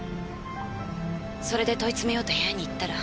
それで問いつめようと部屋に行ったら。